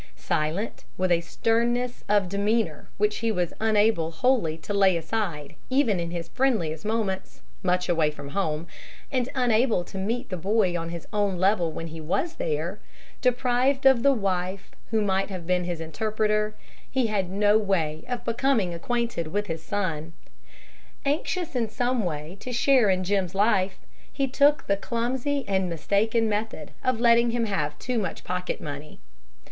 Silent, with a sternness of demeanor which he was unable wholly to lay aside even in his friendliest moments, much away from home, and unable to meet the boy on his own level when he was there, deprived of the wife who might have been his interpreter, he had no way of becoming acquainted with his son. Anxious in some way to share in Jim's life, he took the clumsy and mistaken method of letting him have too much pocket money.